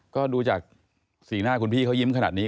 ก็ดูจากสีหน้าคุณพี่เขายิ้มขนาดนี้